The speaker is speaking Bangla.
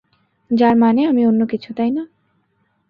যার মানে আমি অন্য কিছু, তাই না?